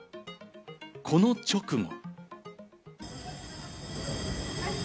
この直後。